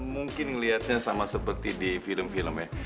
mungkin melihatnya sama seperti di film film ya